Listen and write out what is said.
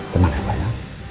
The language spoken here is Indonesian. tenang ya pak ya